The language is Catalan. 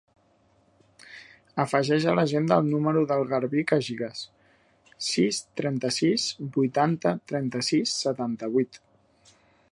Afegeix a l'agenda el número del Garbí Cagigas: sis, trenta-sis, vuitanta, trenta-sis, setanta-vuit.